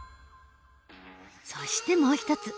そしてもう一つ。